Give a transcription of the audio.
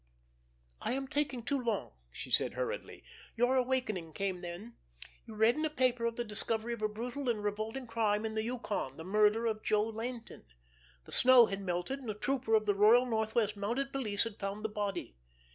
"I am taking too long," she said hurriedly. "Your awakening came then. You read in a paper of the discovery of a brutal and revolting crime in the Yukon—the murder of Joe Laynton. The snow had melted, and a trooper of the Royal Northwest Mounted Police had found the body.